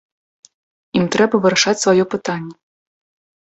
Ім трэба вырашаць сваё пытанне.